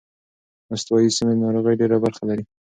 استوايي سیمې د ناروغۍ ډېره برخه لري.